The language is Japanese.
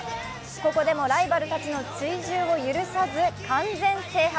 ここでもライバルたちの追従を許さず、完全制覇。